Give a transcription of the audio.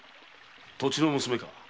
土地の娘か？